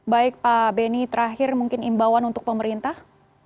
baik pak beni terakhir mungkin imbauan untuk pemerintah